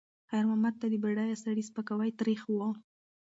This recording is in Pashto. خیر محمد ته د بډایه سړي سپکاوی تریخ و.